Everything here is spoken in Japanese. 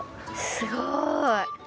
すごい。